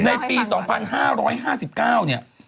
ในปี๒๕๕๙เนี่ย